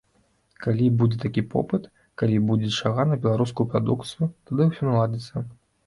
Калі будзе такі попыт, калі будзе чарга на беларускую прадукцыю, тады ўсё наладзіцца.